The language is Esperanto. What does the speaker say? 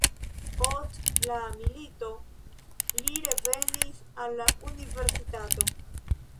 Post la milito li revenis al la universitato.